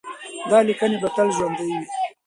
دا لیکنې به تل ژوندۍ وي.